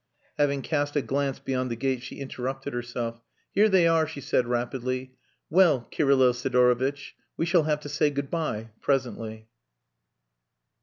Having cast a glance beyond the gate, she interrupted herself. "Here they are," she said rapidly. "Well, Kirylo Sidorovitch, we shall have to say good bye, presently."